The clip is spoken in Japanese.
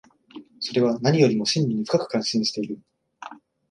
それは何よりも真理に深く関心している。